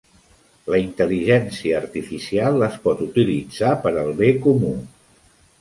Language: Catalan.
La intel·ligència artificial es pot utilitzar per al bé comú.